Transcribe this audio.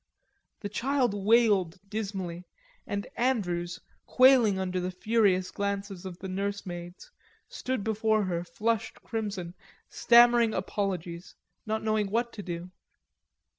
The child wailed dismally, and Andrews, quailing under the furious glances of the nursemaids, stood before her, flushed crimson, stammering apologies, not knowing what to do.